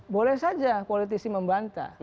boleh saja politisi membantah